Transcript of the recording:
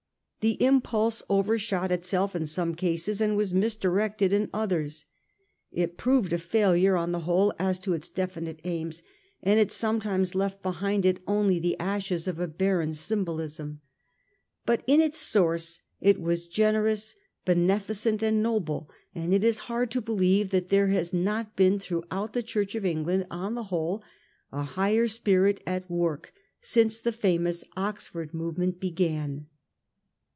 The impulse overshot itself in some cases and was misdirected in others. It proved a failure on the whole as to its definite aims ; and it some times left behind it only the ashes of a barren sym bolism. But in its source it was generous, beneficent and noble, and it is hard to believe that there has not been throughout the Church of England on the whole a higher spirit at work since the famous Oxford movement began.